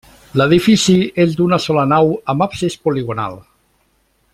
L'edifici és d'una sola nau amb absis poligonal.